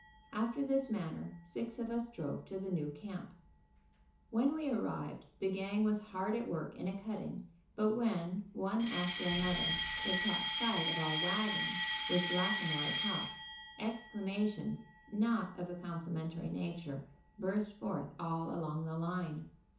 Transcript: After this manner six of us drove to the new camp. When we arrived the gang was hard at work in a cutting; but when, one after another, they caught sight of our wagon, with Blackamoor atop, exclamations, not of a complimentary nature, burst forth all along the line.